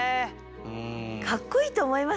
かっこいいと思いません？